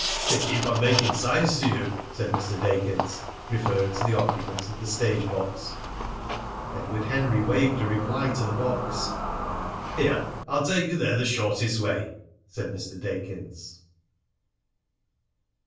"They keep on making signs to you," said Mr. Dakins, referring to the occupants of the stage box. Edward Henry waved a reply to the box. "Here! I'll take you there the shortest way," said Mr. Dakins.